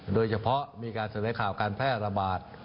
โดยเฉพาะมีการส่งไหมข่าการแพร่ระบาด